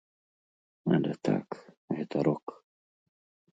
Але так, гэта рок.